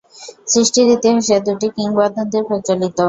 সৃষ্টির ইতিহাসে দুটি কিংবদন্তি প্রচলিত।